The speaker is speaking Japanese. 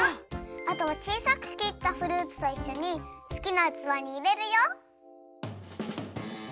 あとはちいさくきったフルーツといっしょにすきなうつわにいれるよ。